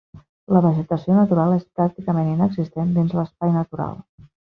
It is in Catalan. La vegetació natural és pràcticament inexistent dins l’espai natural.